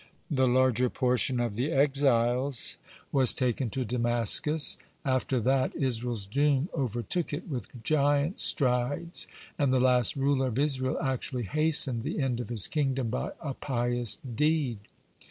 The larger portion of the exiles was taken to Damascus. After that Israel's doom overtook it with giant strides, and the last ruler of Israel actually hastened the end of his kingdom by a pious deed.